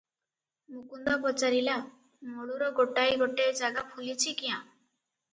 ମୁକୁନ୍ଦା ପଚାରିଲା,"ମଳୁର ଗୋଟାଏ ଗୋଟାଏ ଜାଗା ଫୁଲିଛି କ୍ୟାଁ?